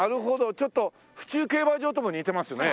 ちょっと府中競馬場とも似てますね。